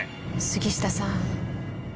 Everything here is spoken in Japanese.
杉下さん